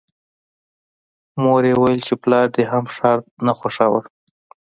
مور یې ویل چې پلار دې هم ښار نه خوښاوه